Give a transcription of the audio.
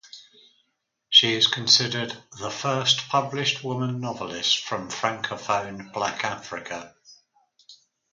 She is considered "the first published woman novelist from francophone Black Africa".